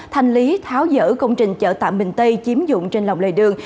thành lý tháo dỡ công trình chợ tạm bình tây chiếm dụng trên lòng lề đường